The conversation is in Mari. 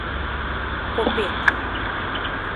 Копэк...